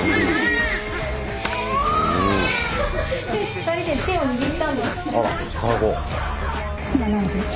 ２人で手を握ったんです。